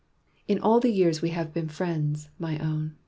In all the years we have been friends, my own.